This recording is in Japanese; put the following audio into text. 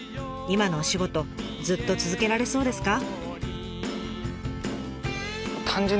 今のお仕事ずっと続けられそうですか？